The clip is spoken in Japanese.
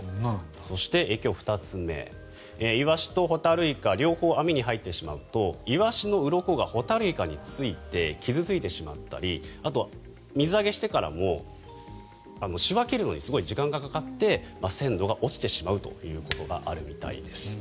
そして、影響２つ目イワシとホタルイカ両方網に入ってしまうとイワシのうろこがホタルイカについて傷付いてしまったりあとは、水揚げしてからも仕分けるのにすごい時間がかかって鮮度が落ちてしまうということがあるみたいです。